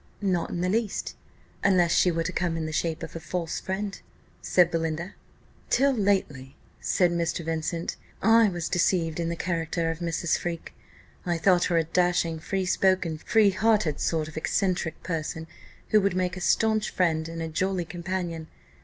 "Not in the least, unless she were to come in the shape of a false friend," said Belinda. "Till lately," said Mr. Vincent, "I was deceived in the character of Mrs. Freke. I thought her a dashing, free spoken, free hearted sort of eccentric person, who would make a staunch friend and a jolly companion.